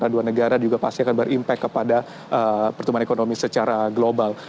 dua negara juga pasti akan berimpak kepada pertumbuhan ekonomi secara global